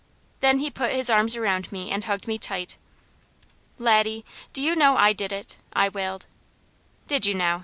Then he put his arms around me and hugged me tight. "Laddie, do you know I did it?" I wailed. "Did you now?"